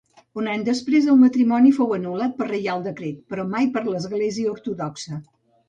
Un any després el matrimoni fou anul·lat per reial decret però mai per l'església ortodoxa.